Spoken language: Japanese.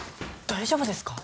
大丈夫ですか？